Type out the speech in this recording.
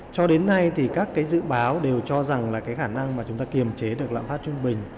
cho đến nay thì các cái dự báo đều cho rằng là cái khả năng mà chúng ta kiềm chế được lạm phát trung bình